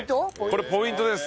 これポイントです。